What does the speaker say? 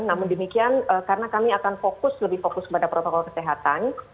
namun demikian karena kami akan fokus lebih fokus kepada protokol kesehatan